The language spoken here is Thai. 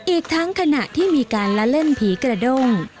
อีกทั้งขณะที่มีการละเล่นผีกระด้ง